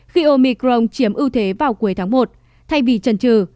khi omicron chiếm ưu thế vào cuối tháng một thay vì trần trừ